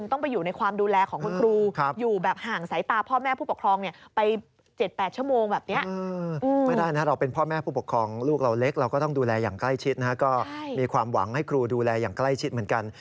แต่ก็เป็นไปได้ทั้งสิ้นเหมือนกัน